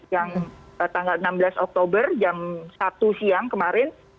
yang tanggal enam belas oktober jam satu siang kemarin